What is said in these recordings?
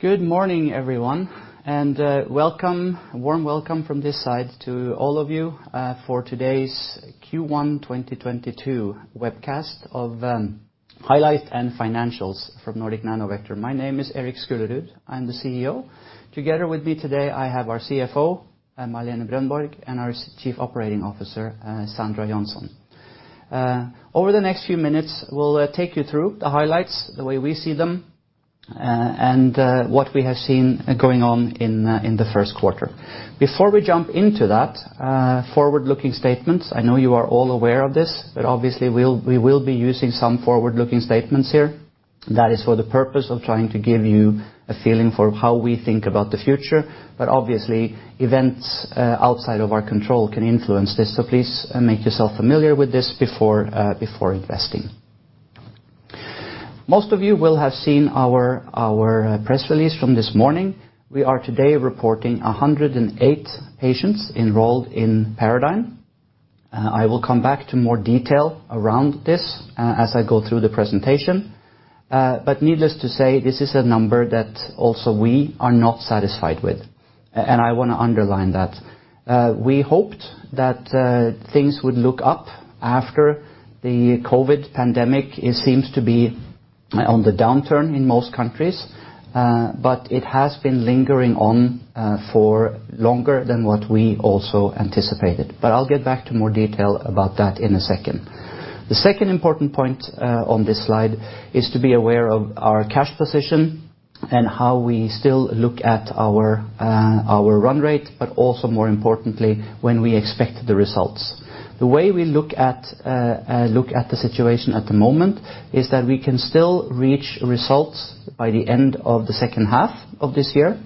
Good morning, everyone, and welcome, warm welcome from this side to all of you, for today's Q1 2022 webcast of highlights and financials from Nordic Nanovector. My name is Erik Skullerud, I'm the CEO. Together with me today I have our CFO, Malene Brondberg, and our Chief Operating Officer, Sandra Jonsson. Over the next few minutes we'll take you through the highlights, the way we see them, and what we have seen going on in the Q1. Before we jump into that, forward-looking statements. I know you are all aware of this, but obviously we will be using some forward-looking statements here. That is for the purpose of trying to give you a feeling for how we think about the future. Obviously, events outside of our control can influence this, so please make yourself familiar with this before investing. Most of you will have seen our press release from this morning. We are today reporting 108 patients enrolled in PARADIGME. I will come back to more detail around this as I go through the presentation. Needless to say, this is a number that also we are not satisfied with, and I wanna underline that. We hoped that things would look up after the COVID pandemic, it seems to be on the downturn in most countries. It has been lingering on for longer than what we also anticipated. I'll get back to more detail about that in a second. The second important point, on this slide is to be aware of our cash position and how we still look at our run rate, but also more importantly, when we expect the results. The way we look at the situation at the moment is that we can still reach results by the end of the second half of this year,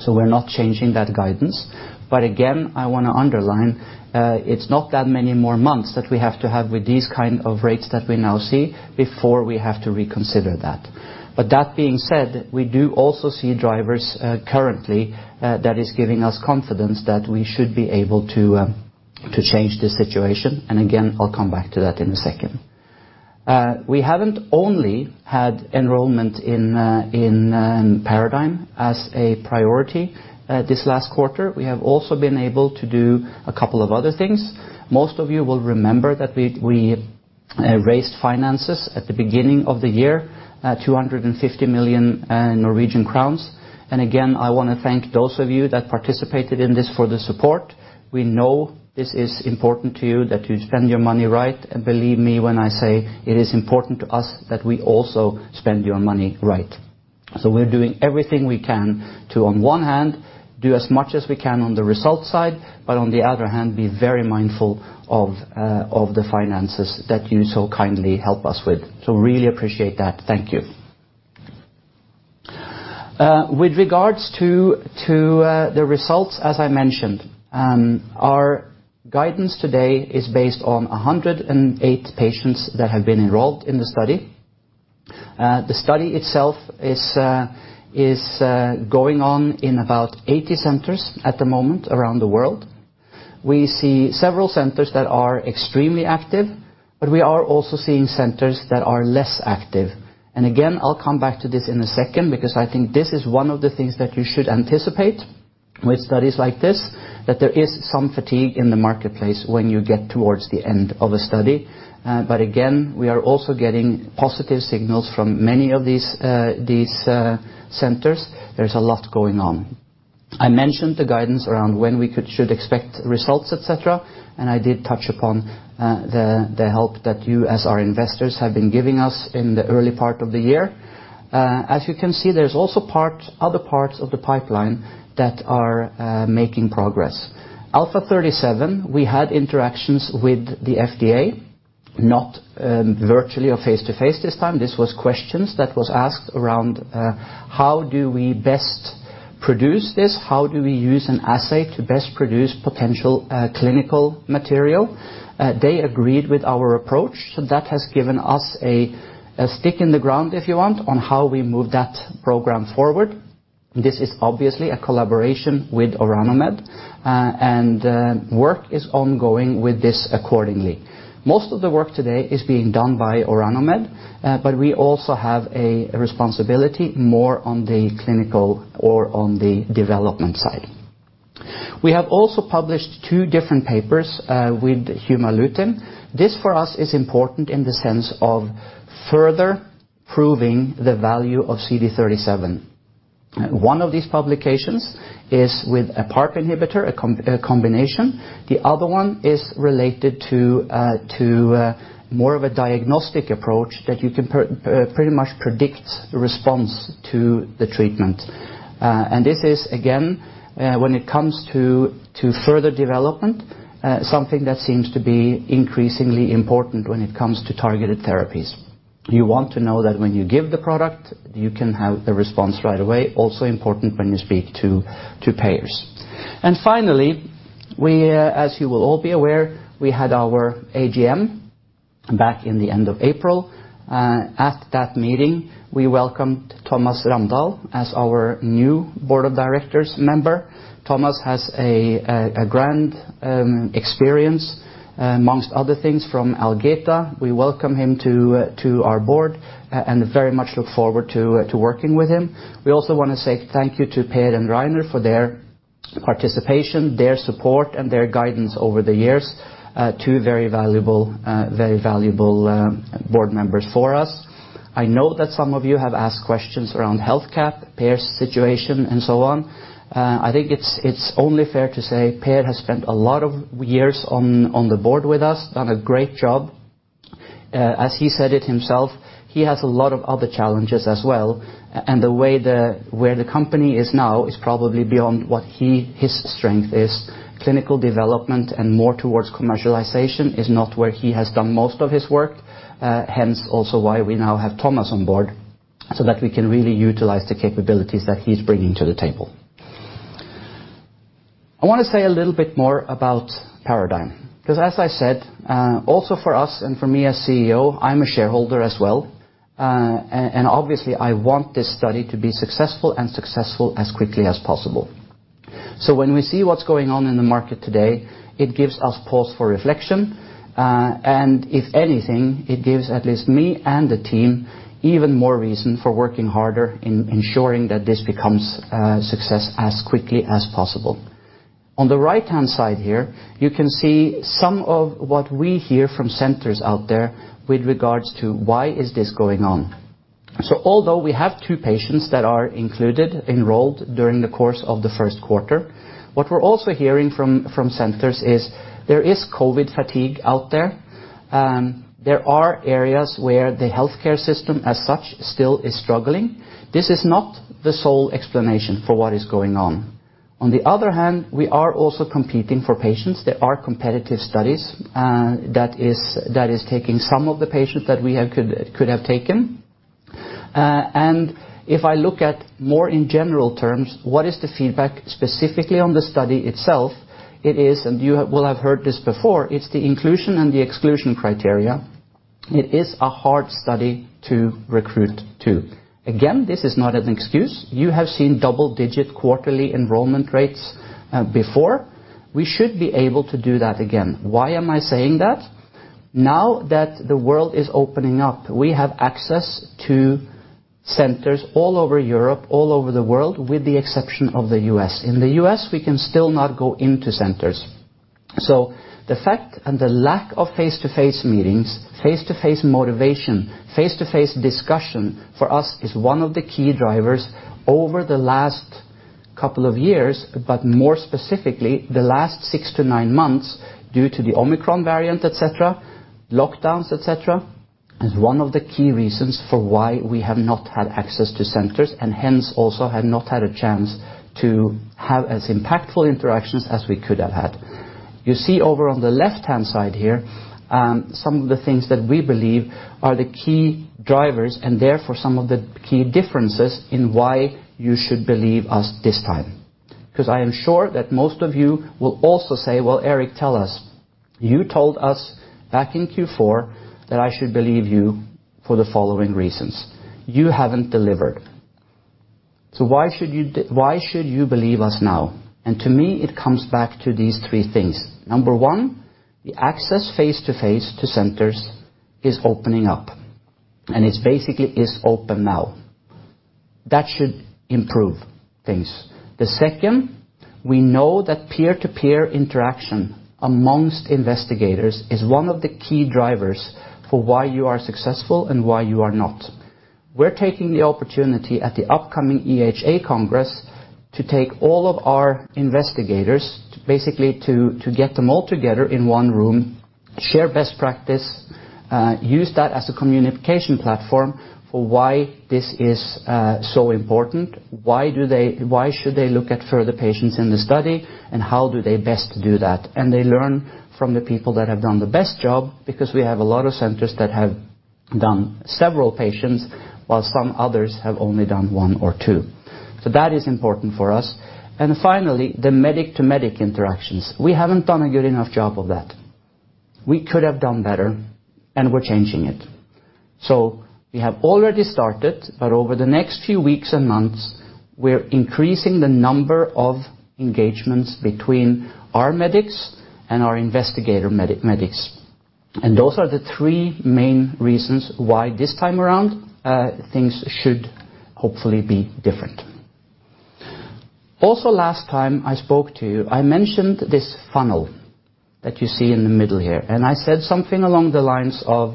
so we're not changing that guidance. Again, I wanna underline, it's not that many more months that we have to have with these kind of rates that we now see before we have to reconsider that. That being said, we do also see drivers, currently, that is giving us confidence that we should be able to to change the situation, and again, I'll come back to that in a second. We haven't only had enrollment in PARADIGME as a priority this last quarter. We have also been able to do a couple of other things. Most of you will remember that we raised financing at the beginning of the year, 250 million Norwegian crowns, and again, I wanna thank those of you that participated in this for the support. We know this is important to you that you spend your money right, and believe me when I say it is important to us that we also spend your money right. We're doing everything we can to on one hand do as much as we can on the result side, but on the other hand, be very mindful of the finances that you so kindly help us with. Really appreciate that. Thank you. With regards to the results, as I mentioned, our guidance today is based on 108 patients that have been enrolled in the study. The study itself is going on in about 80 centers at the moment around the world. We see several centers that are extremely active, but we are also seeing centers that are less active. Again, I'll come back to this in a second because I think this is one of the things that you should anticipate with studies like this, that there is some fatigue in the marketplace when you get towards the end of a study. But again, we are also getting positive signals from many of these centers. There's a lot going on. I mentioned the guidance around when we should expect results, et cetera, and I did touch upon the help that you as our investors have been giving us in the early part of the year. As you can see, there's also other parts of the pipeline that are making progress. Alpha37, we had interactions with the FDA, not virtually or face-to-face this time. This was questions that was asked around how do we best produce this? How do we use an assay to best produce potential clinical material? They agreed with our approach. That has given us a stick in the ground, if you want, on how we move that program forward. This is obviously a collaboration with Orano Med, and work is ongoing with this accordingly. Most of the work today is being done by Orano Med, but we also have a responsibility more on the clinical or on the development side. We have also published two different papers with Humalutin. This for us is important in the sense of further proving the value of CD37. One of these publications is with a PARP inhibitor, a combination. The other one is related to more of a diagnostic approach that you can pretty much predict the response to the treatment. This is again when it comes to further development, something that seems to be increasingly important when it comes to targeted therapies. You want to know that when you give the product, you can have a response right away. Also important when you speak to payers. Finally, we, as you will all be aware, we had our AGM back in the end of April, at that meeting, we welcomed Thomas Ramdahl as our new Board of Directors member. Thomas has a grand experience among other things from Algeta. We welcome him to our board and very much look forward to working with him. We also wanna say thank you to Per and Rainer for their participation, their support, and their guidance over the years, two very valuable board members for us. I know that some of you have asked questions around HealthCap, Per's situation, and so on. I think it's only fair to say Per has spent a lot of years on the board with us, done a great job. As he said it himself, he has a lot of other challenges as well, and where the company is now is probably beyond what his strength is. Clinical development and more towards commercialization is not where he has done most of his work, hence also why we now have Thomas on board so that we can really utilize the capabilities that he's bringing to the table. I wanna say a little bit more about PARADIGME 'cause as I said, also for us and for me as CEO, I'm a shareholder as well. And obviously I want this study to be successful as quickly as possible. When we see what's going on in the market today, it gives us pause for reflection. If anything, it gives at least me and the team even more reason for working harder in ensuring that this becomes a success as quickly as possible. On the right-hand side here, you can see some of what we hear from centers out there with regards to why is this going on. Although we have two patients that are included, enrolled during the course of the Q1, what we're also hearing from centers is there is COVID fatigue out there. There are areas where the healthcare system as such still is struggling. This is not the sole explanation for what is going on. On the other hand, we are also competing for patients. There are competitive studies that is taking some of the patients that we could have taken. If I look at more in general terms, what is the feedback specifically on the study itself? It is, you will have heard this before, it's the inclusion and the exclusion criteria. It is a hard study to recruit to. Again, this is not an excuse. You have seen double-digit quarterly enrollment rates, before. We should be able to do that again. Why am I saying that? Now that the world is opening up, we have access to centers all over Europe, all over the world, with the exception of the U.S. In the U.S., we can still not go into centers. The fact and the lack of face-to-face meetings, face-to-face motivation, face-to-face discussion for us is one of the key drivers over the last couple of years, but more specifically the last six-nine months due to the Omicron variant, et cetera, lockdowns, et cetera, is one of the key reasons for why we have not had access to centers and hence also have not had a chance to have as impactful interactions as we could have had. You see over on the left-hand side here, some of the things that we believe are the key drivers and therefore some of the key differences in why you should believe us this time. 'Cause I am sure that most of you will also say, "Well, Erik, tell us. You told us back in Q4 that I should believe you for the following reasons. You haven't delivered. Why should you believe us now?" To me it comes back to these three things. Number one, the access face-to-face to centers is opening up, and it's basically open now. That should improve things. The second, we know that peer-to-peer interaction amongst investigators is one of the key drivers for why you are successful and why you are not. We're taking the opportunity at the upcoming EHA Congress to take all of our investigators to basically get them all together in one room, share best practice, use that as a communication platform for why this is so important, why should they look at further patients in the study, and how do they best do that. They learn from the people that have done the best job because we have a lot of centers that have done several patients while some others have only done one or two. That is important for us. Finally, the med-to-med interactions. We haven't done a good enough job of that. We could have done better, and we're changing it. We have already started, but over the next few weeks and months, we're increasing the number of engagements between our medics and our investigator medics. Those are the three main reasons why this time around, things should hopefully be different. Also last time I spoke to you, I mentioned this funnel that you see in the middle here. I said something along the lines of,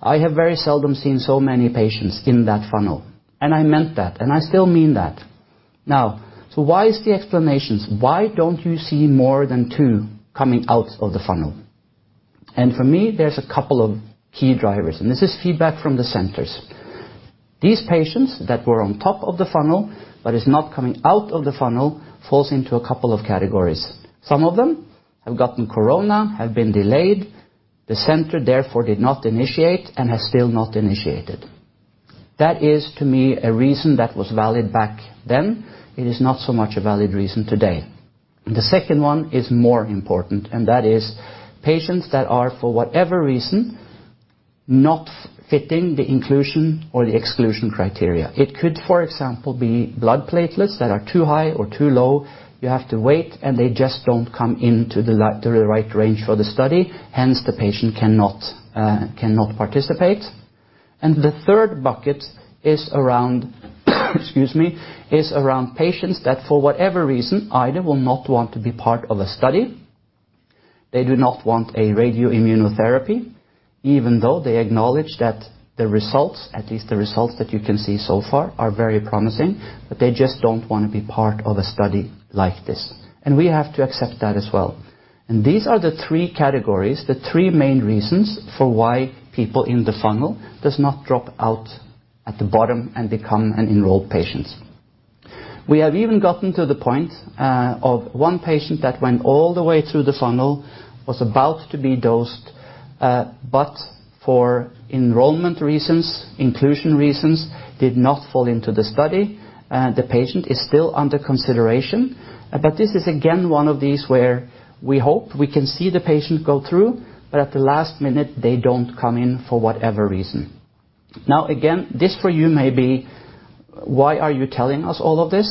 "I have very seldom seen so many patients in that funnel." I meant that, and I still mean that. Why is the explanation? Why don't you see more than two coming out of the funnel? For me, there's a couple of key drivers, and this is feedback from the centers. These patients that were on top of the funnel but is not coming out of the funnel falls into a couple of categories. Some of them have gotten corona, have been delayed. The center therefore did not initiate and has still not initiated. That is to me a reason that was valid back then, it is not so much a valid reason today. The second one is more important, and that is patients that are, for whatever reason, not fitting the inclusion or the exclusion criteria. It could, for example, be blood platelets that are too high or too low. You have to wait, and they just don't come into the right range for the study, hence, the patient cannot participate. The third bucket is around patients that for whatever reason, either will not want to be part of a study, they do not want a radioimmunotherapy, even though they acknowledge that the results, at least the results that you can see so far are very promising, but they just don't wanna be part of a study like this. We have to accept that as well. These are the three categories, the three main reasons for why people in the funnel does not drop out at the bottom and become an enrolled patient. We have even gotten to the point of one patient that went all the way through the funnel, was about to be dosed, but for enrollment reasons, inclusion reasons, did not fall into the study. The patient is still under consideration, but this is again, one of these where we hope we can see the patient go through, but at the last minute, they don't come in for whatever reason. Now, again, this for you may be, why are you telling us all of this?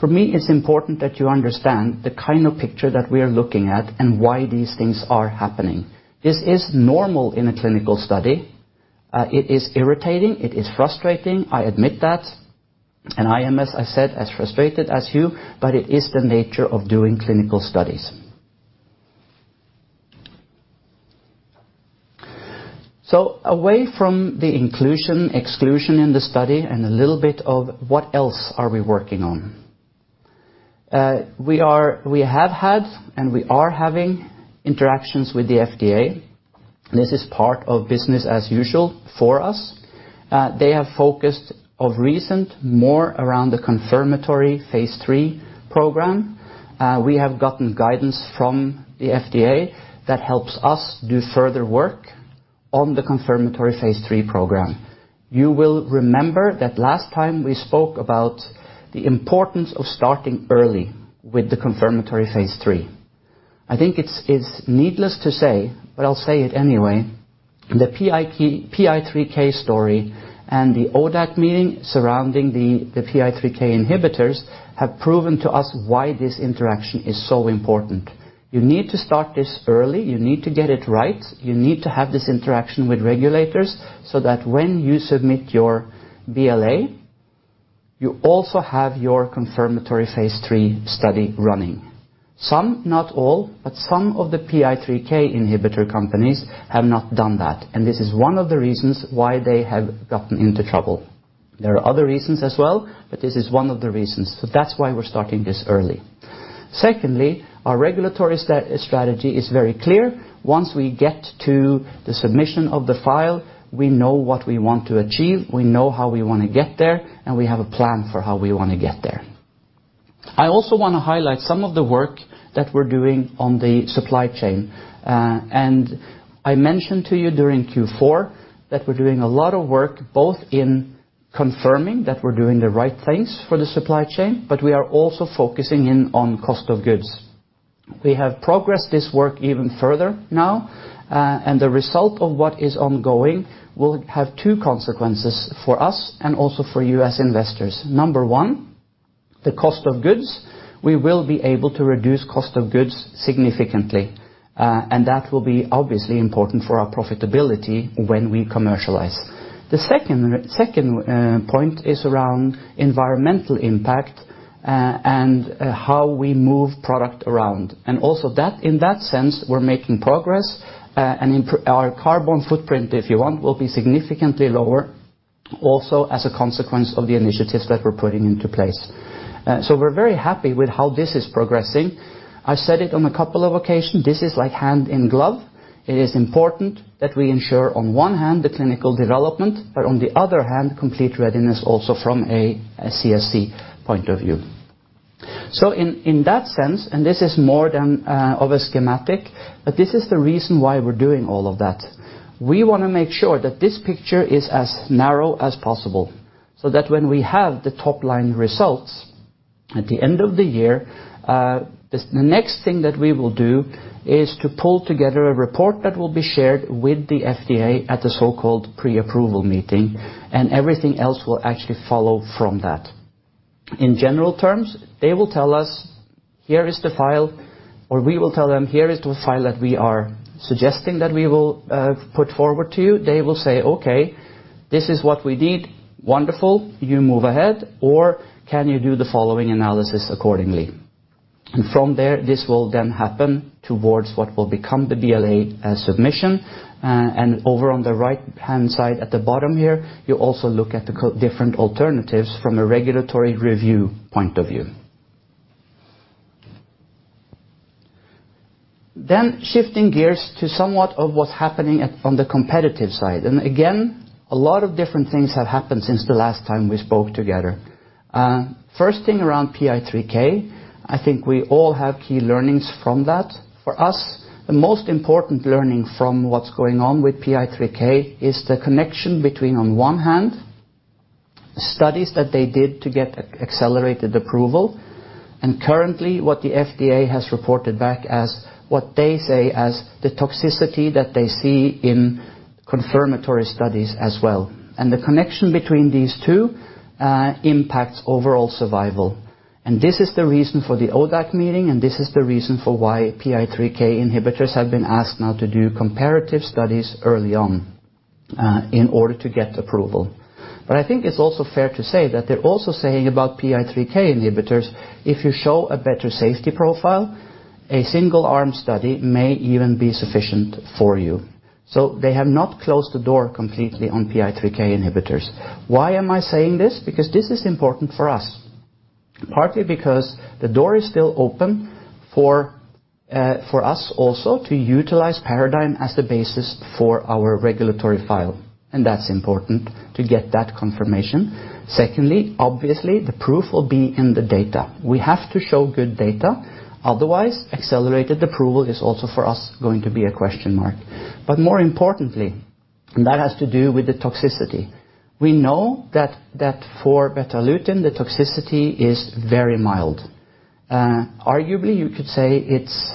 For me, it's important that you understand the kind of picture that we are looking at and why these things are happening. This is normal in a clinical study. It is irritating, it is frustrating, I admit that, and I am, as I said, as frustrated as you, but it is the nature of doing clinical studies. Away from the inclusion, exclusion in the study and a little bit of what else are we working on. We have had, and we are having interactions with the FDA. This is part of business as usual for us. They have focused more recently around the confirmatory phase III program. We have gotten guidance from the FDA that helps us do further work on the confirmatory phase III program. You will remember that last time we spoke about the importance of starting early with the confirmatory phase III. I think it's needless to say, but I'll say it anyway, the PI3K story and the ODAC meeting surrounding the PI3K inhibitors have proven to us why this interaction is so important. You need to start this early. You need to get it right. You need to have this interaction with regulators so that when you submit your BLA, you also have your confirmatory phase III study running. Some, not all, but some of the PI3K inhibitor companies have not done that. This is one of the reasons why they have gotten into trouble. There are other reasons as well, but this is one of the reasons. That's why we're starting this early. Secondly, our regulatory strategy is very clear. Once we get to the submission of the file, we know what we want to achieve, we know how we wanna get there, and we have a plan for how we wanna get there. I also wanna highlight some of the work that we're doing on the supply chain. I mentioned to you during Q4 that we're doing a lot of work, both in confirming that we're doing the right things for the supply chain, but we are also focusing in on cost of goods. We have progressed this work even further now, and the result of what is ongoing will have two consequences for us and also for you as investors. Number one, the cost of goods. We will be able to reduce cost of goods significantly, and that will be obviously important for our profitability when we commercialize. The second point is around environmental impact, and how we move product around. In that sense, we're making progress, and our carbon footprint, if you want, will be significantly lower also as a consequence of the initiatives that we're putting into place. We're very happy with how this is progressing. I've said it on a couple of occasions, this is like hand in glove. It is important that we ensure on one hand the clinical development, but on the other hand, complete readiness also from a CMC point of view. In that sense, this is more of a schematic, but this is the reason why we're doing all of that. We wanna make sure that this picture is as narrow as possible, so that when we have the top line results at the end of the year, the next thing that we will do is to pull together a report that will be shared with the FDA at the so-called pre-approval meeting, and everything else will actually follow from that. In general terms, they will tell us, here is the file, or we will tell them, here is the file that we are suggesting that we will put forward to you. They will say, okay, this is what we need. Wonderful. You move ahead, or can you do the following analysis accordingly? From there, this will then happen towards what will become the BLA submission. And over on the right-hand side at the bottom here, you also look at the different alternatives from a regulatory review point of view. Shifting gears to somewhat of what's happening at, on the competitive side. Again, a lot of different things have happened since the last time we spoke together. First thing around PI3K, I think we all have key learnings from that. For us, the most important learning from what's going on with PI3K is the connection between, on one hand, studies that they did to get accelerated approval, and currently what the FDA has reported back as what they say as the toxicity that they see in confirmatory studies as well. The connection between these two impacts overall survival. This is the reason for the ODAC meeting, and this is the reason for why PI3K inhibitors have been asked now to do comparative studies early on, in order to get approval. I think it's also fair to say that they're also saying about PI3K inhibitors, if you show a better safety profile, a single arm study may even be sufficient for you. They have not closed the door completely on PI3K inhibitors. Why am I saying this? Because this is important for us, partly because the door is still open for us also to utilize PARADIGME as the basis for our regulatory file, and that's important to get that confirmation. Secondly, obviously, the proof will be in the data. We have to show good data, otherwise accelerated approval is also for us going to be a question mark. But more importantly, that has to do with the toxicity. We know that for Betalutin, the toxicity is very mild. Arguably, you could say it's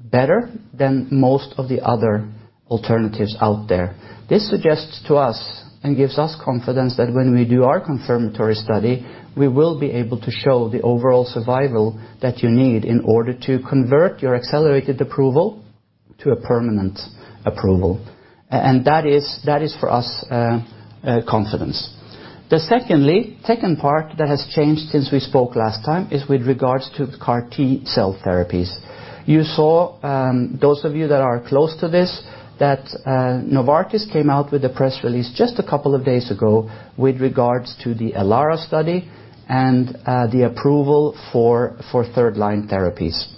better than most of the other alternatives out there. This suggests to us and gives us confidence that when we do our confirmatory study, we will be able to show the overall survival that you need in order to convert your accelerated approval to a permanent approval. That is for us a confidence. the second part that has changed since we spoke last time is with regards to CAR T-cell therapies. You saw, those of you that are close to this, that Novartis came out with a press release just a couple of days ago with regards to the ELARA study and the approval for third-line therapies.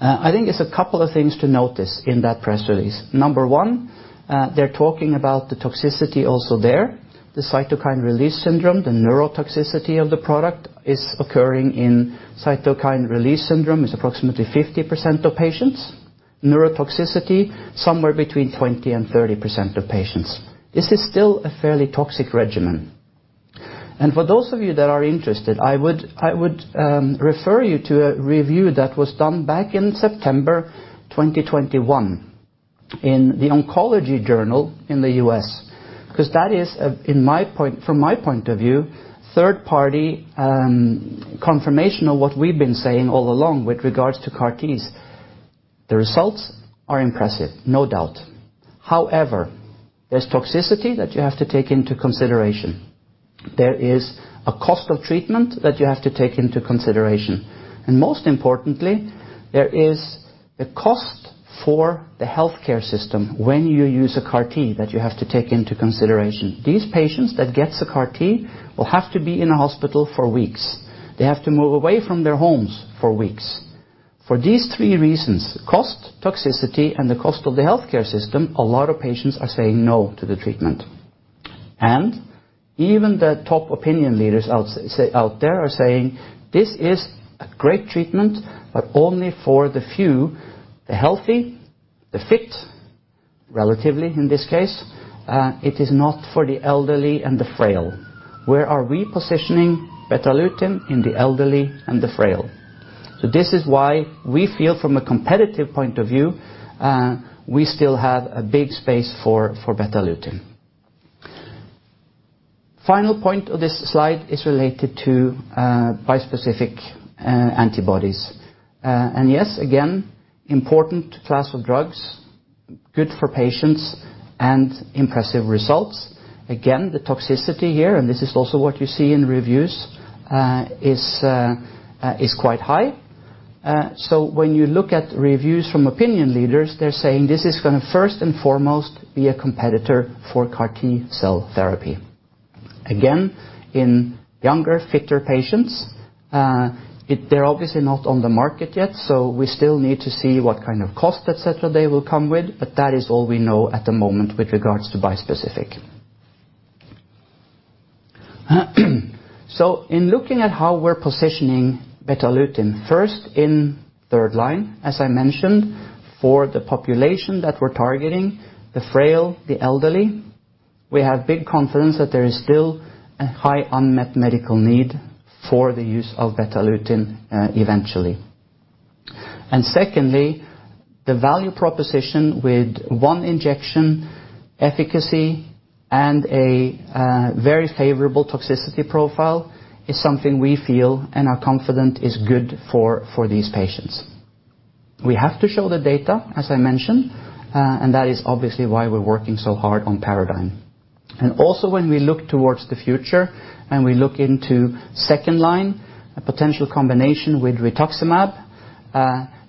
I think it's a couple of things to notice in that press release. Number one, they're talking about the toxicity also there. The cytokine release syndrome is approximately 50% of patients. Neurotoxicity, somewhere between 20%-30% of patients. This is still a fairly toxic regimen. For those of you that are interested, I would refer you to a review that was done back in September 2021 in The Oncologist in the US, because that is from my point of view, third-party confirmation of what we've been saying all along with regards to CAR Ts. The results are impressive, no doubt. However, there's toxicity that you have to take into consideration. There is a cost of treatment that you have to take into consideration. And most importantly, there is a cost for the healthcare system when you use a CAR T that you have to take into consideration. These patients that gets a CAR T will have to be in a hospital for weeks. They have to move away from their homes for weeks. For these three reasons, cost, toxicity, and the cost of the healthcare system, a lot of patients are saying no to the treatment. Even the top opinion leaders out there are saying, this is a great treatment, but only for the few, the healthy, the fit, relatively in this case, it is not for the elderly and the frail. Where are we positioning Betalutin in the elderly and the frail? This is why we feel from a competitive point of view, we still have a big space for Betalutin. Final point of this slide is related to bispecific antibodies. Yes, again, important class of drugs, good for patients, and impressive results. Again, the toxicity here, and this is also what you see in reviews, is quite high. When you look at reviews from opinion leaders, they're saying this is gonna first and foremost be a competitor for CAR T-cell therapy. Again, in younger, fitter patients, they're obviously not on the market yet, so we still need to see what kind of cost, et cetera, they will come with, but that is all we know at the moment with regards to bispecific. In looking at how we're positioning Betalutin, first in third line, as I mentioned, for the population that we're targeting, the frail, the elderly, we have big confidence that there is still a high unmet medical need for the use of Betalutin, eventually. Secondly, the value proposition with one injection efficacy and a very favorable toxicity profile is something we feel and are confident is good for these patients. We have to show the data, as I mentioned, and that is obviously why we're working so hard on PARADIGME. Also when we look towards the future and we look into second line, a potential combination with rituximab,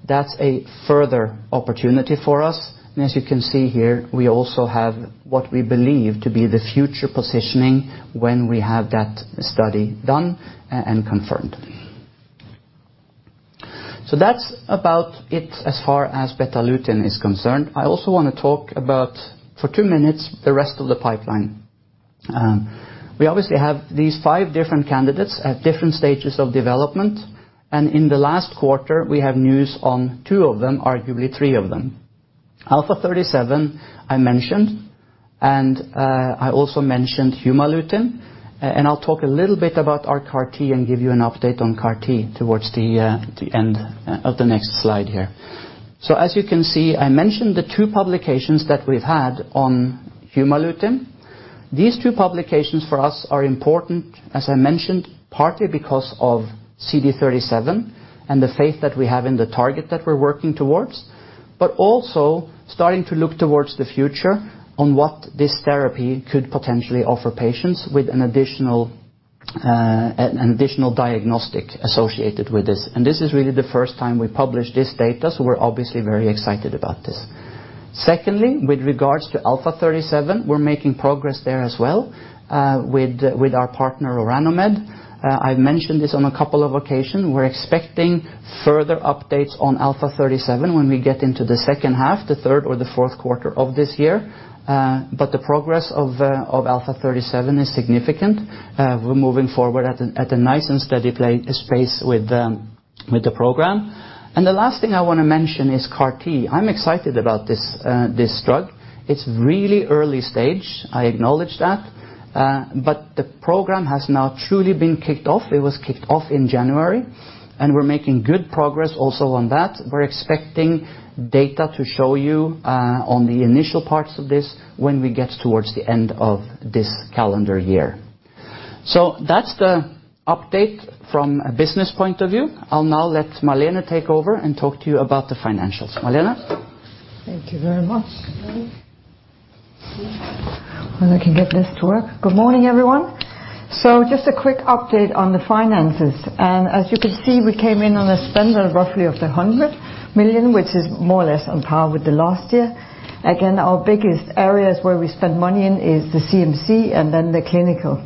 that's a further opportunity for us. As you can see here, we also have what we believe to be the future positioning when we have that study done and confirmed. That's about it as far as Betalutin is concerned. I also wanna talk about, for two minutes, the rest of the pipeline. We obviously have these 5 different candidates at different stages of development, and in the last quarter, we have news on two of them, arguably three of them. Alpha37 I mentioned, and I also mentioned Humalutin. I'll talk a little bit about our CAR T and give you an update on CAR T towards the end of the next slide here. As you can see, I mentioned the two publications that we've had on Humalutin. These two publications for us are important, as I mentioned, partly because of CD37 and the faith that we have in the target that we're working towards. Also starting to look towards the future on what this therapy could potentially offer patients with an additional diagnostic associated with this. This is really the first time we've published this data, so we're obviously very excited about this. Secondly, with regards to Alpha37, we're making progress there as well, with our partner Orano Med. I've mentioned this on a couple of occasions. We're expecting further updates on Alpha37 when we get into the second half, the third or the Q4 of this year. The progress of Alpha37 is significant. We're moving forward at a nice and steady pace with the program. The last thing I wanna mention is CAR T. I'm excited about this drug. It's really early stage, I acknowledge that. The program has now truly been kicked off. It was kicked off in January, and we're making good progress also on that. We're expecting data to show you on the initial parts of this when we get towards the end of this calendar year. That's the update from a business point of view. I'll now let Malene take over and talk to you about the financials. Malene? Thank you very much. When I can get this to work. Good morning, everyone. Just a quick update on the finances. As you can see, we came in on a spend of roughly of 100 million, which is more or less on par with last year. Again, our biggest areas where we spent money in is the CMC and then the clinical.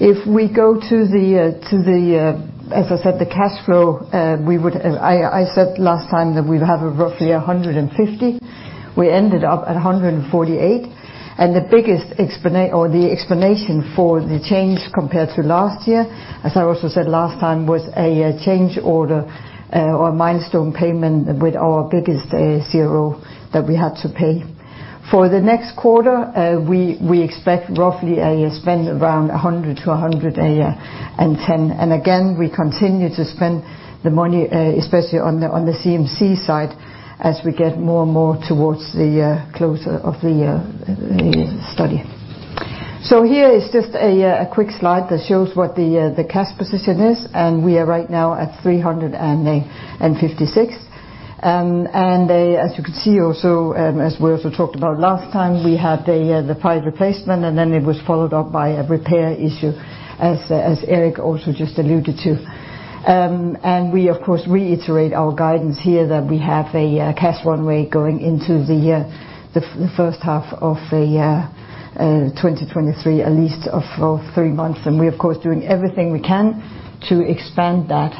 If we go to the, as I said, the cash flow, I said last time that we'd have roughly 150. We ended up at 148, and the biggest explanation for the change compared to last year, as I also said last time, was a change order or milestone payment with our biggest CRO that we had to pay. For the next quarter, we expect roughly a spend around 100-110. We continue to spend the money, especially on the CMC side as we get more and more towards the close of the study. Here is just a quick slide that shows what the cash position is, and we are right now at 356. As you can see also, as we also talked about last time, we had the PIPE placement, and then it was followed up by a repair offering, as Erik also just alluded to. We, of course, reiterate our guidance here that we have a cash run rate going into the first half of 2023, at least for three months. We're of course doing everything we can to expand that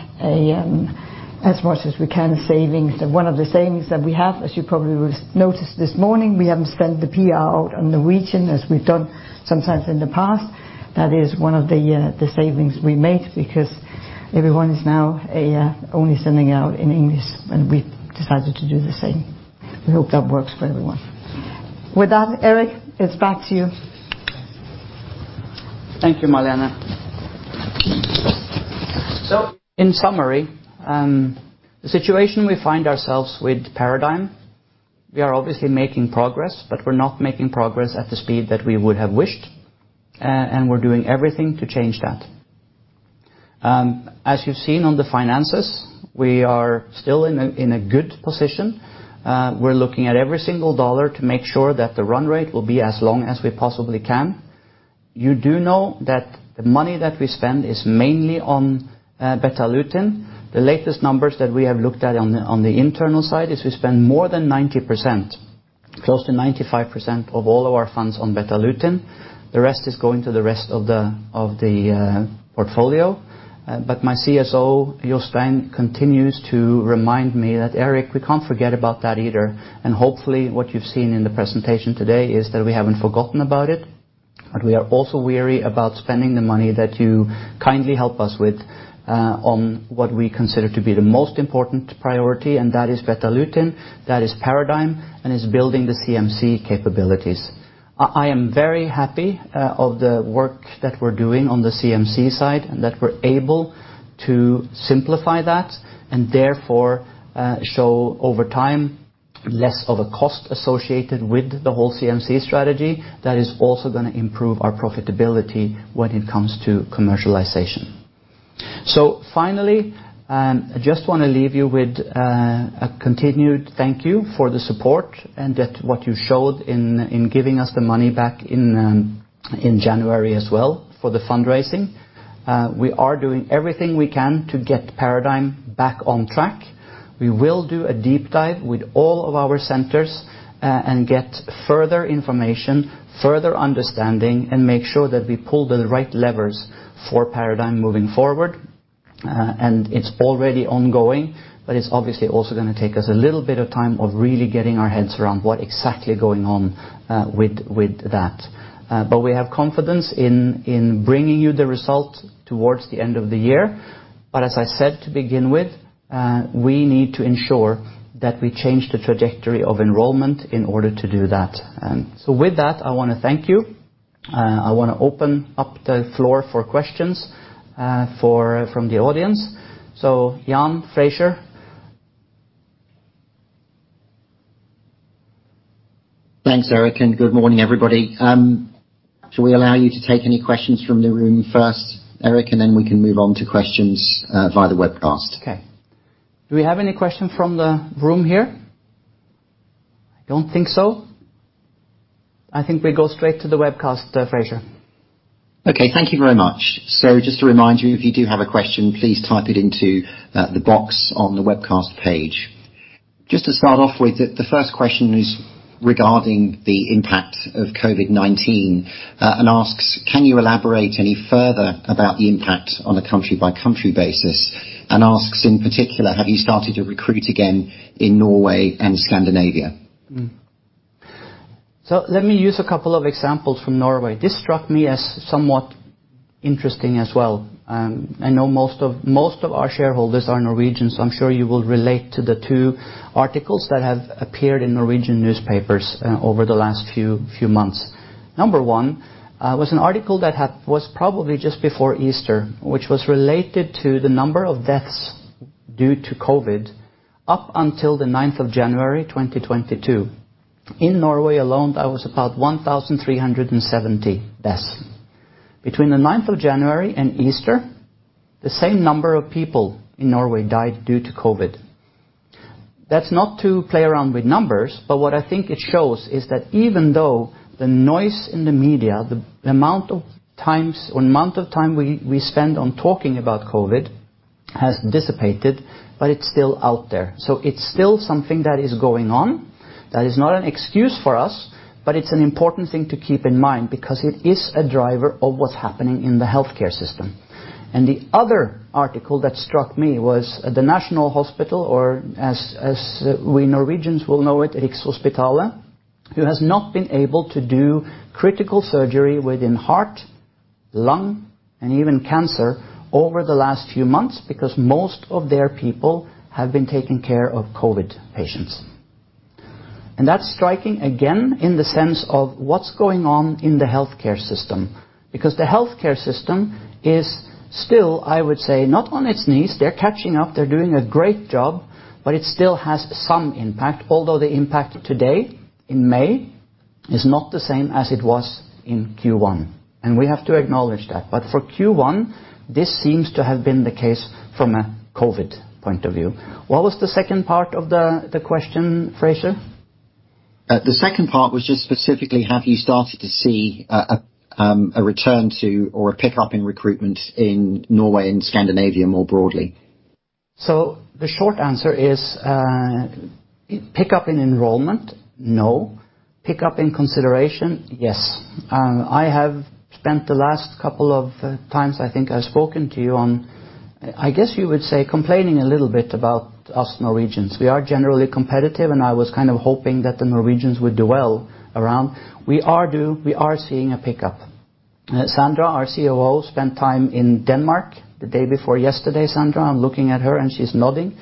as much as we can. One of the savings that we have, as you probably would notice this morning, we haven't sent the PR out in Norwegian as we've done sometimes in the past. That is one of the savings we made because everyone is now only sending out in English, and we've decided to do the same. We hope that works for everyone. With that, Erik, it's back to you. Thank you, Malene. In summary, the situation we find ourselves with PARADIGME, we are obviously making progress, but we're not making progress at the speed that we would have wished, and we're doing everything to change that. As you've seen on the finances, we are still in a good position. We're looking at every single dollar to make sure that the run rate will be as long as we possibly can. You do know that the money that we spend is mainly on Betalutin. The latest numbers that we have looked at on the internal side is we spend more than 90%, close to 95% of all of our funds on Betalutin. The rest is going to the rest of the portfolio. My CSO, Jostein, continues to remind me that, "Erik, we can't forget about that either." Hopefully, what you've seen in the presentation today is that we haven't forgotten about it, but we are also wary about spending the money that you kindly help us with on what we consider to be the most important priority, and that is Betalutin, that is PARADIGME, and is building the CMC capabilities. I am very happy of the work that we're doing on the CMC side, and that we're able to simplify that, and therefore show over time less of a cost associated with the whole CMC strategy that is also gonna improve our profitability when it comes to commercialization. Finally, I just wanna leave you with a continued thank you for the support and that what you showed in giving us the money back in January as well for the fundraising. We are doing everything we can to get PARADIGME back on track. We will do a deep dive with all of our centers, and get further information, further understanding, and make sure that we pull the right levers for PARADIGME moving forward. It's already ongoing, but it's obviously also gonna take us a little bit of time of really getting our heads around what exactly going on with that. We have confidence in bringing you the result towards the end of the year. As I said to begin with, we need to ensure that we change the trajectory of enrollment in order to do that. With that, I wanna thank you. I wanna open up the floor for questions from the audience. Jan, Fraser. Thanks, Erik, and good morning, everybody. Shall we allow you to take any questions from the room first, Erik, and then we can move on to questions via the webcast? Okay. Do we have any question from the room here? I don't think so. I think we go straight to the webcast, Fraser. Okay. Thank you very much. Just to remind you, if you do have a question, please type it into the box on the webcast page. Just to start off with, the first question is regarding the impact of COVID-19, and asks, can you elaborate any further about the impact on a country by country basis, and asks in particular, have you started to recruit again in Norway and Scandinavia? Let me use a couple of examples from Norway. This struck me as somewhat interesting as well. I know most of our shareholders are Norwegian, so I'm sure you will relate to the two articles that have appeared in Norwegian newspapers over the last few months. Number one was an article that was probably just before Easter, which was related to the number of deaths due to COVID up until the 9th of January 2022. In Norway alone, that was about 1,370 deaths. Between the 9th of January and Easter, the same number of people in Norway died due to COVID. That's not to play around with numbers, but what I think it shows is that even though the noise in the media, the amount of times or amount of time we spend on talking about COVID has dissipated, but it's still out there. It's still something that is going on. That is not an excuse for us, but it's an important thing to keep in mind because it is a driver of what's happening in the healthcare system. The other article that struck me was at the National Hospital or as we Norwegians will know it, Rikshospitalet, who has not been able to do critical surgery within heart, lung, and even cancer over the last few months because most of their people have been taking care of COVID patients. That's striking again in the sense of what's going on in the healthcare system. Because the healthcare system is still, I would say, not on its knees. They're catching up. They're doing a great job, but it still has some impact, although the impact today in May is not the same as it was in Q1, and we have to acknowledge that. For Q1, this seems to have been the case from a COVID point of view. What was the second part of the question, Fraser? The second part was just specifically, have you started to see a return to or a pickup in recruitment in Norway and Scandinavia, more broadly? The short answer is, pick up in enrollment, no. Pick up in consideration, yes. I have spent the last couple of times, I think I've spoken to you on, I guess you would say complaining a little bit about us Norwegians. We are generally competitive, and I was kind of hoping that the Norwegians would do well around. We are seeing a pickup. Sandra, our COO, spent time in Denmark the day before yesterday. Sandra, I'm looking at her and she's nodding,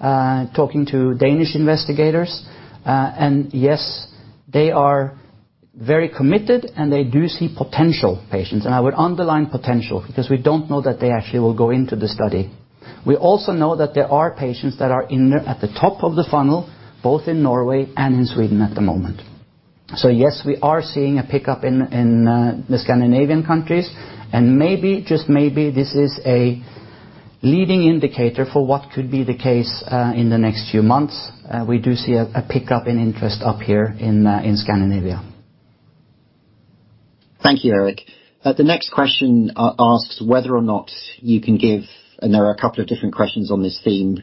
talking to Danish investigators. Yes, they are very committed, and they do see potential patients. I would underline potential because we don't know that they actually will go into the study. We also know that there are patients that are in there at the top of the funnel, both in Norway and in Sweden at the moment. Yes, we are seeing a pickup in the Scandinavian countries, and maybe, just maybe, this is a leading indicator for what could be the case in the next few months. We do see a pickup in interest up here in Scandinavia. Thank you, Erik. The next question asks whether or not you can give and there are a couple of different questions on this theme,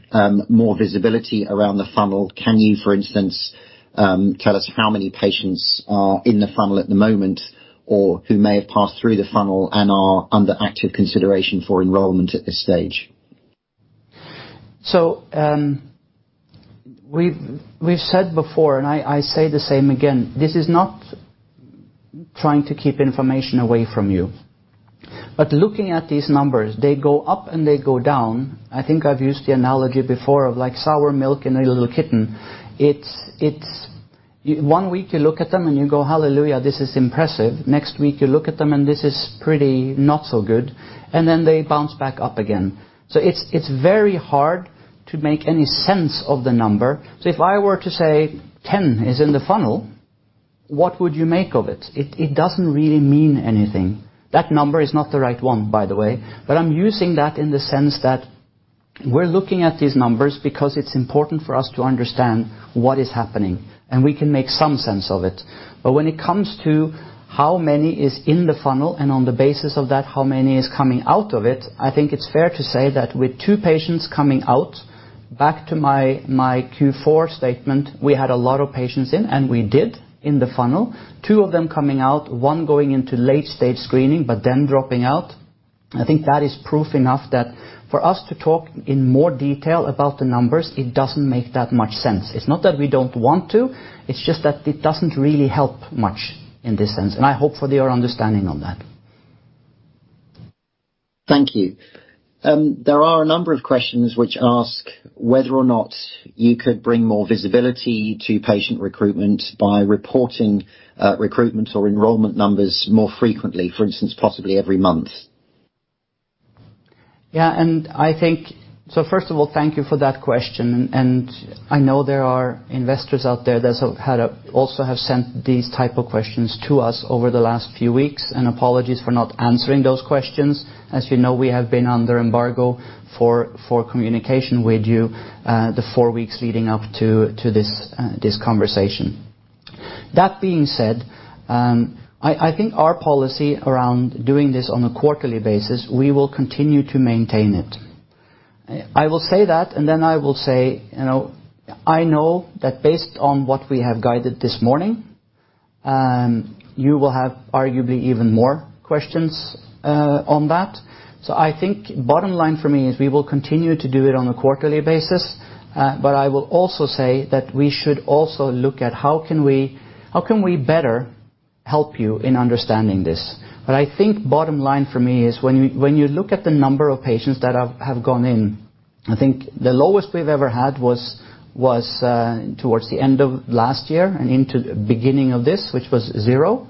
more visibility around the funnel. Can you, for instance, tell us how many patients are in the funnel at the moment or who may have passed through the funnel and are under active consideration for enrollment at this stage? We've said before, and I say the same again, this is not trying to keep information away from you, but looking at these numbers, they go up and they go down. I think I've used the analogy before of like sour milk and a little kitten. It's one week you look at them and you go, "Hallelujah, this is impressive." Next week you look at them and this is pretty not so good, and then they bounce back up again. It's very hard to make any sense of the number. If I were to say 10 is in the funnel, what would you make of it? It doesn't really mean anything. That number is not the right one, by the way, but I'm using that in the sense that we're looking at these numbers because it's important for us to understand what is happening, and we can make some sense of it. When it comes to how many is in the funnel and on the basis of that, how many is coming out of it, I think it's fair to say that with two patients coming out. Back to my Q4 statement, we had a lot of patients in, and we did in the funnel. Two of them coming out, one going into late stage screening, but then dropping out. I think that is proof enough that for us to talk in more detail about the numbers, it doesn't make that much sense. It's not that we don't want to, it's just that it doesn't really help much in this sense. I hope for your understanding on that. Thank you. There are a number of questions which ask whether or not you could bring more visibility to patient recruitment by reporting, recruitment or enrollment numbers more frequently, for instance, possibly every month. First of all, thank you for that question, and I know there are investors out there that also have sent these type of questions to us over the last few weeks, and apologies for not answering those questions. As you know, we have been under embargo for communication with you, the four weeks leading up to this conversation. That being said, I think our policy around doing this on a quarterly basis, we will continue to maintain it. I will say that, and then I will say, you know, I know that based on what we have guided this morning, you will have arguably even more questions on that. I think bottom line for me is we will continue to do it on a quarterly basis, but I will also say that we should also look at how we can better help you in understanding this. I think bottom line for me is when you look at the number of patients that have gone in, I think the lowest we've ever had was towards the end of last year and into the beginning of this, which was zero.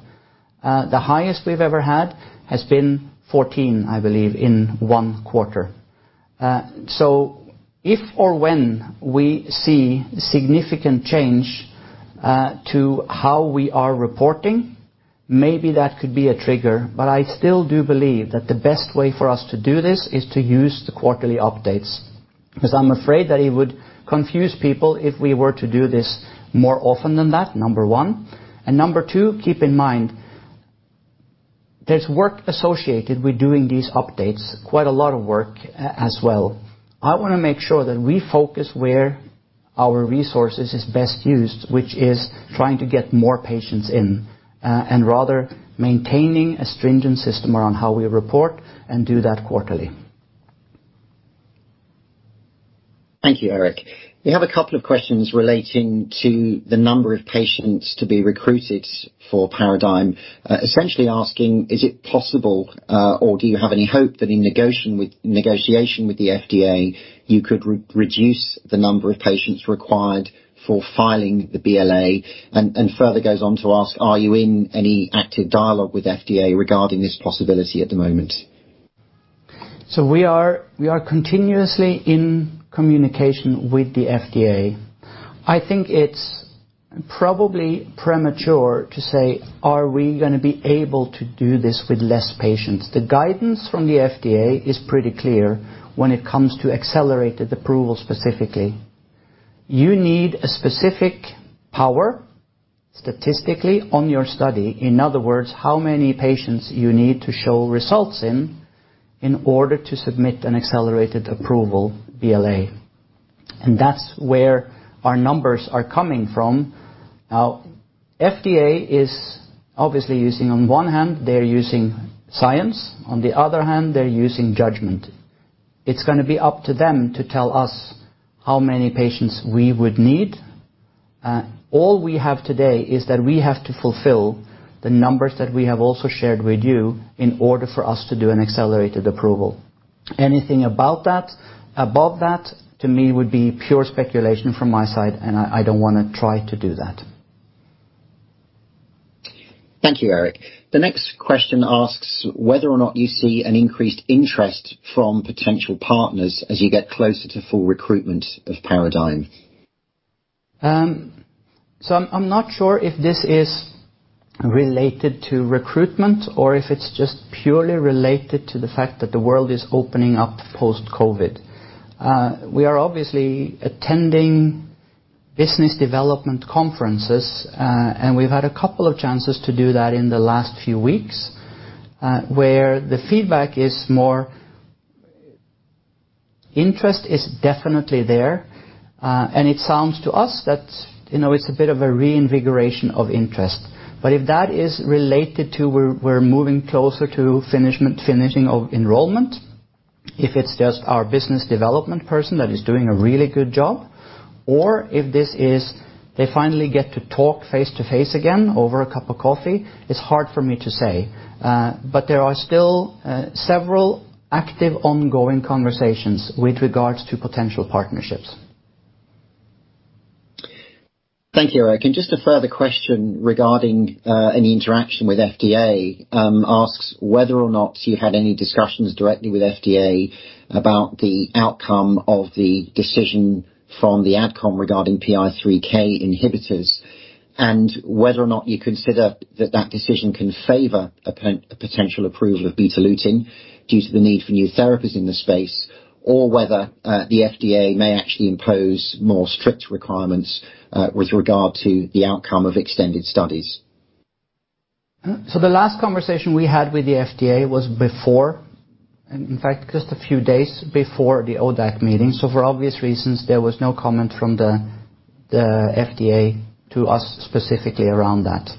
The highest we've ever had has been 14, I believe, in one quarter. If or when we see significant change to how we are reporting, maybe that could be a trigger. I still do believe that the best way for us to do this is to use the quarterly updates, 'cause I'm afraid that it would confuse people if we were to do this more often than that, number one. Number two, keep in mind, there's work associated with doing these updates, quite a lot of work as well. I wanna make sure that we focus where our resources is best used, which is trying to get more patients in, and rather maintaining a stringent system around how we report and do that quarterly. Thank you, Erik. We have a couple of questions relating to the number of patients to be recruited for PARADIGME. Essentially asking, is it possible, or do you have any hope that in negotiation with the FDA, you could reduce the number of patients required for filing the BLA? Further goes on to ask, are you in any active dialogue with FDA regarding this possibility at the moment? We are continuously in communication with the FDA. I think it's probably premature to say, are we gonna be able to do this with less patients? The guidance from the FDA is pretty clear when it comes to accelerated approval specifically. You need a specific power statistically on your study. In other words, how many patients you need to show results in order to submit an accelerated approval BLA. That's where our numbers are coming from. Now, FDA is obviously using, on one hand, they're using science, on the other hand, they're using judgment. It's gonna be up to them to tell us how many patients we would need. All we have today is that we have to fulfill the numbers that we have also shared with you in order for us to do an accelerated approval. Anything about that, above that, to me, would be pure speculation from my side, and I don't wanna try to do that. Thank you, Erik. The next question asks whether or not you see an increased interest from potential partners as you get closer to full recruitment of PARADIGME. I'm not sure if this is related to recruitment or if it's just purely related to the fact that the world is opening up post-COVID. We are obviously attending business development conferences, and we've had a couple of chances to do that in the last few weeks, where the feedback is more. Interest is definitely there, and it sounds to us that, you know, it's a bit of a reinvigoration of interest. If that is related to we're moving closer to finishing of enrollment, if it's just our business development person that is doing a really good job, or if this is they finally get to talk face-to-face again over a cup of coffee, it's hard for me to say. There are still several active ongoing conversations with regards to potential partnerships. Thank you, Erik. Just a further question regarding an interaction with FDA, asks whether or not you had any discussions directly with FDA about the outcome of the decision from the AdCom regarding PI3K inhibitors and whether or not you consider that decision can favor a potential approval of Betalutin due to the need for new therapies in this space, or whether the FDA may actually impose more strict requirements with regard to the outcome of extended studies. The last conversation we had with the FDA was before, in fact, just a few days before the ODAC meeting. For obvious reasons, there was no comment from the FDA to us specifically around that.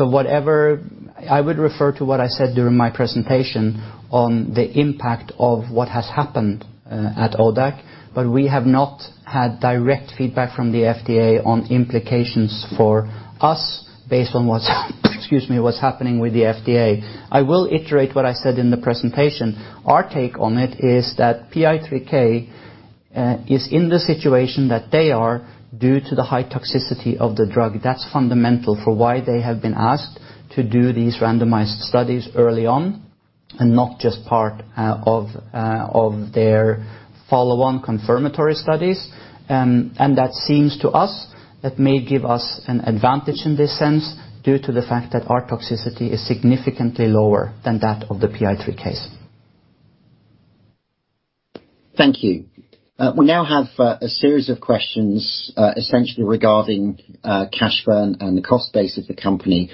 Whatever I would refer to what I said during my presentation on the impact of what has happened at ODAC, but we have not had direct feedback from the FDA on implications for us based on what's happening with the FDA. I will iterate what I said in the presentation. Our take on it is that PI3K is in the situation that they are due to the high toxicity of the drug. That's fundamental for why they have been asked to do these randomized studies early on and not just part of their follow-on confirmatory studies. That seems to us that may give us an advantage in this sense, due to the fact that our toxicity is significantly lower than that of the PI3Ks. Thank you. We now have a series of questions essentially regarding cash burn and the cost base of the company,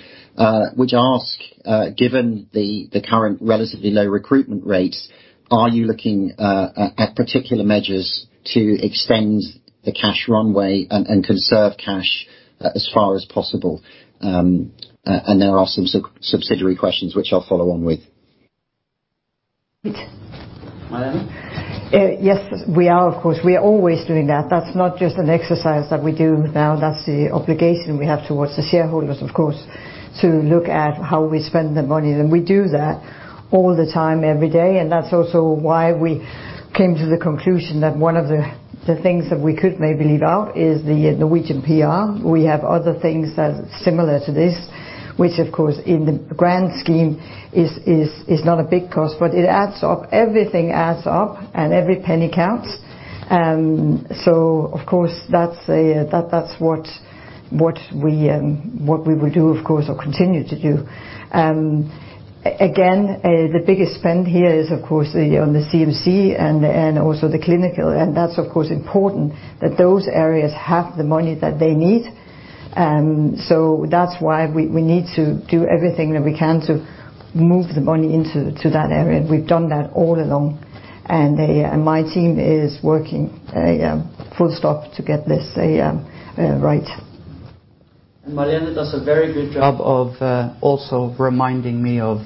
which ask, given the current relatively low recruitment rates, are you looking at particular measures to extend the cash runway and conserve cash as far as possible? There are some subsidiary questions which I'll follow on with. Malene. Yes, we are of course. We are always doing that. That's not just an exercise that we do now. That's the obligation we have towards the shareholders, of course, to look at how we spend the money. We do that all the time, every day. That's also why we came to the conclusion that one of the things that we could maybe leave out is the Norwegian PR. We have other things that are similar to this, which of course in the grand scheme is not a big cost, but it adds up. Everything adds up, and every penny counts. Of course, that's what we will do, of course, or continue to do. Again, the biggest spend here is, of course, on the CMC and also the clinical. That's, of course, important that those areas have the money that they need. That's why we need to do everything that we can to move the money into that area. We've done that all along. My team is working full stop to get this right. Malene does a very good job of also reminding me of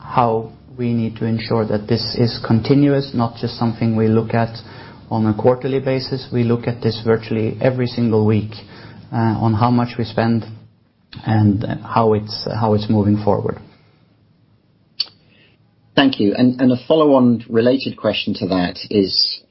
how we need to ensure that this is continuous, not just something we look at on a quarterly basis. We look at this virtually every single week on how much we spend and how it's moving forward. Thank you. A follow-on related question to that is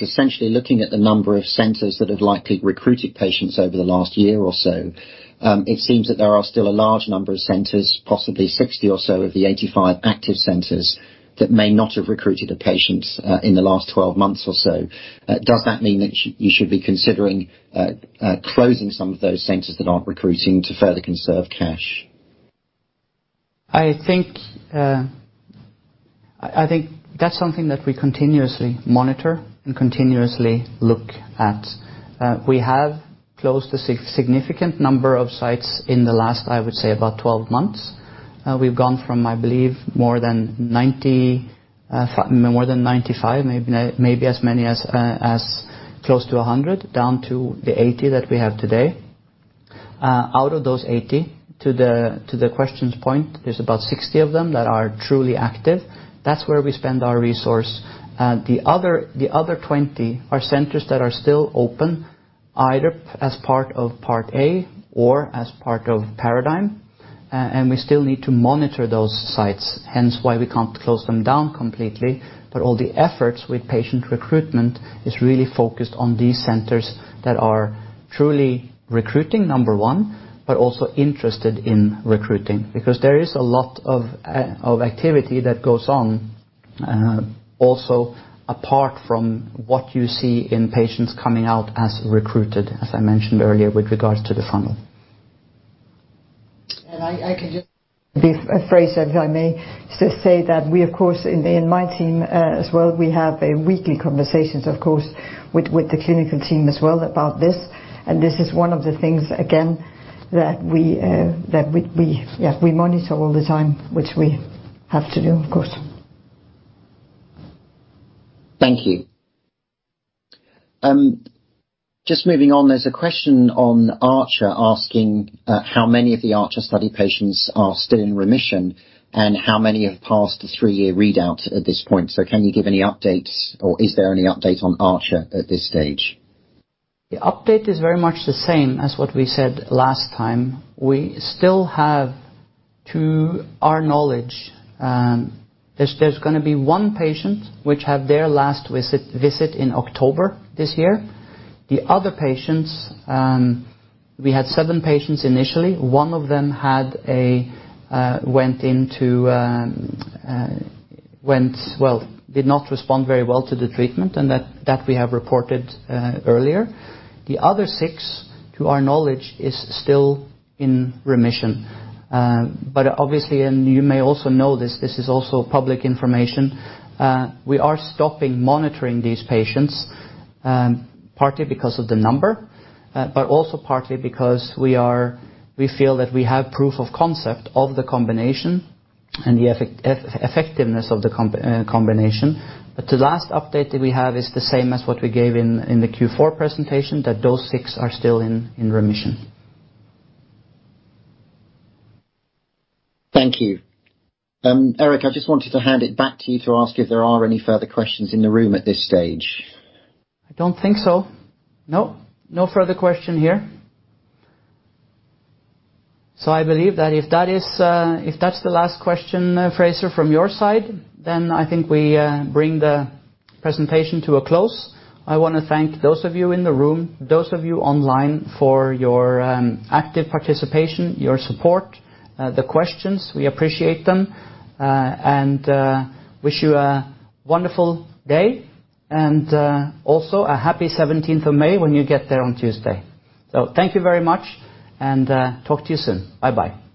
essentially looking at the number of centers that have likely recruited patients over the last year or so. It seems that there are still a large number of centers, possibly 60 or so of the 85 active centers, that may not have recruited a patient in the last 12 months or so. Does that mean that you should be considering closing some of those centers that aren't recruiting to further conserve cash? I think that's something that we continuously monitor and continuously look at. We have closed a significant number of sites in the last, I would say, about 12 months. We've gone from, I believe, more than 90, more than 95, maybe as many as close to 100, down to the 80 that we have today. Out of those 80, to the question's point, there's about 60 of them that are truly active. That's where we spend our resource. The other 20 are centers that are still open, either as part of Part A or as part of PARADIGME. We still need to monitor those sites, hence why we can't close them down completely. All the efforts with patient recruitment is really focused on these centers that are truly recruiting, number one, but also interested in recruiting, because there is a lot of of activity that goes on, also apart from what you see in patients coming out as recruited, as I mentioned earlier with regards to the funnel. I can just be brief, if I may, just say that we, of course, in my team as well, we have weekly conversations, of course, with the clinical team as well about this. This is one of the things, again, that we monitor all the time, which we have to do, of course. Thank you. Just moving on, there's a question on ARCHER asking how many of the ARCHER study patients are still in remission and how many have passed the three-year readout at this point. Can you give any updates or is there any update on ARCHER at this stage? The update is very much the same as what we said last time. We still have, to our knowledge, there's gonna be one patient which had their last visit in October this year. The other patients, we had seven patients initially. One of them did not respond very well to the treatment, and that we have reported earlier. The other six, to our knowledge, is still in remission. Obviously, and you may also know this is also public information. We are stopping monitoring these patients, partly because of the number, but also partly because we feel that we have proof of concept of the combination and the effectiveness of the combination. The last update that we have is the same as what we gave in the Q4 presentation, that those six are still in remission. Thank you. Erik, I just wanted to hand it back to you to ask if there are any further questions in the room at this stage. I don't think so. No. No further question here. I believe that if that is, if that's the last question, Fraser, from your side, then I think we bring the presentation to a close. I wanna thank those of you in the room, those of you online for your active participation, your support, the questions. We appreciate them and wish you a wonderful day and also a happy 17th of May when you get there on Tuesday. Thank you very much and talk to you soon. Bye-bye.